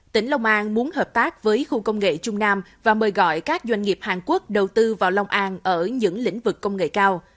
tỉnh long an muốn hợp tác với khu công nghệ trung nam và mời gọi các doanh nghiệp hàn quốc đầu tư vào long an ở những lĩnh vực công nghệ cao